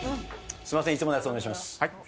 すみません、いつものやつお願いします。